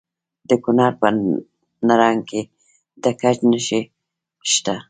د کونړ په نرنګ کې د ګچ نښې شته.